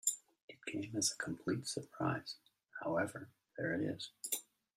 It came as a complete surprise. However, there it is.